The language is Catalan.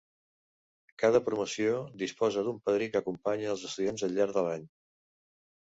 Cada promoció disposa d'un padrí que acompanya als estudiants al llarg de l'any.